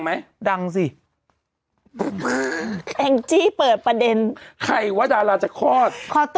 อาจจะไปคลอด